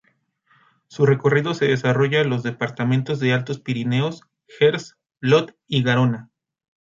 Su recorrido se desarrolla los departamentos de Altos Pirineos, Gers y Lot y Garona.